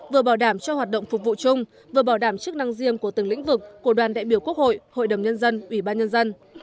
vừa bảo đảm cho hoạt động phục vụ chung vừa bảo đảm chức năng riêng của từng lĩnh vực của đoàn đại biểu quốc hội hội đồng nhân dân ủy ban nhân dân